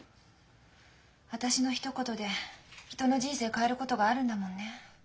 私のひと言で人の人生変えることがあるんだもんね。